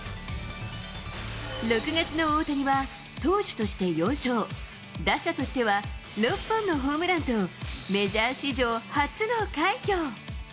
６月の大谷は投手として４勝、打者としては６本のホームランと、メジャー史上初の快挙。